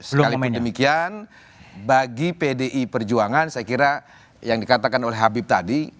sekalipun demikian bagi pdi perjuangan saya kira yang dikatakan oleh habib tadi